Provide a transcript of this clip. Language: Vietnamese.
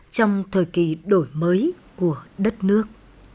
trong thời kỳ đổi mới của đất nước